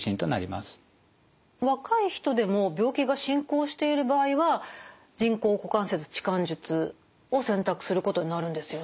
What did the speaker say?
若い人でも病気が進行している場合は人工股関節置換術を選択することになるんですよね？